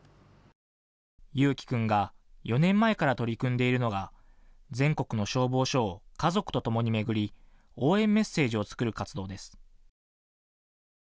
祐輝君が４年前から取り組んでいるのが全国の消防署を家族とともに巡り、応援メッセージ作る活動です。